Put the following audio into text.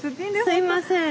すいません。